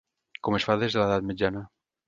Com es fa des de l'edat mitjana.